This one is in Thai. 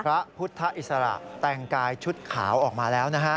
พระพุทธอิสระแต่งกายชุดขาวออกมาแล้วนะฮะ